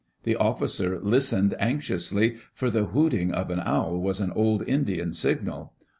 The officer listened anx iously, for the hooting of an owl was an old Indian signal.